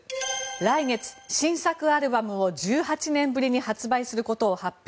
来月、新作アルバムを１８年ぶりに発売することを発表。